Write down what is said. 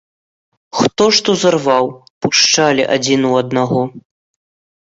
Хто што зарваў, пушчалі адзін у аднаго.